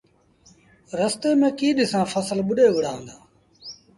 رستي ميݩ ڪيٚ ڏسآݩ ڦسل ٻُڏي وُهڙآ هُݩدآ۔